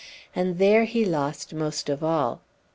And there he lost most of all.